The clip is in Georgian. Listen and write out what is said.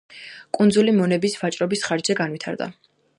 კუნძული მონების ვაჭრობის ხარჯზე განვითარდა.